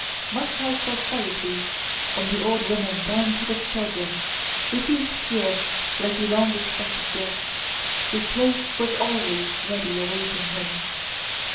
Moscow society, from the old women down to the children, received Pierre like a long expected guest whose place was always ready awaiting him.